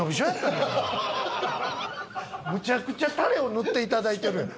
むちゃくちゃタレを塗っていただいてるやん。